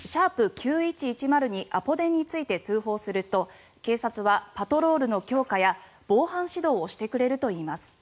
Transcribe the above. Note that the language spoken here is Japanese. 「＃９１１０」にアポ電について通報すると警察はパトロールの強化や防犯指導をしてくれるといいます。